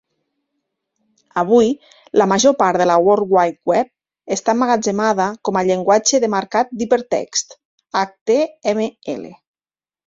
Avui, la major part de la World Wide Web està emmagatzemada com a llenguatge de marcat d'hipertext (HTML).